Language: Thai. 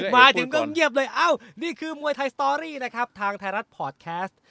มาถึงเงียบเลยนี่คือมวยไทยสตอรี่ทางไทยรัฐพอดแคสต์